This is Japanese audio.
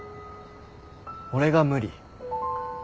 俺が無理。